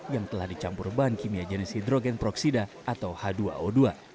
yang telah dicampur bahan kimia jenis hidrogen proksida atau h dua o dua